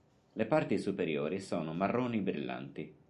Le parti superiori sono marroni brillanti.